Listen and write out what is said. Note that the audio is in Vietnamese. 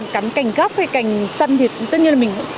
cắm cành góc hay cành săn thì tất nhiên là mình